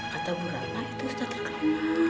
kata bu rana itu ustadz terkenal